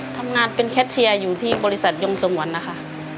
ทำงานเป็นแคทเชียร์อยู่ที่บริษัทยงสงวนนะคะ